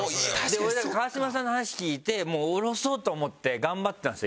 俺だから川島さんの話聞いて下ろそうと思って頑張ってたんですよ